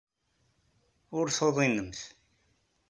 Ur tuḍinemt.